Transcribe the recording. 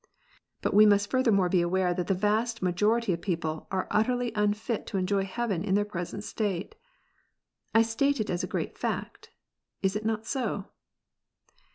\V^ But we must furthermore be aware that the vast majority of (people are utterly unfit to enjoy heaven in their present state. I state it as a great fact. Is it not so